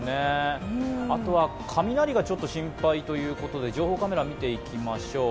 あとは雷がちょっと心配ということで情報カメラ、見ていきましょう。